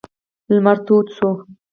لمر تود شو.